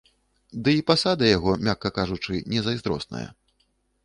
Ды і пасада яго, мякка кажучы, не зайздросная.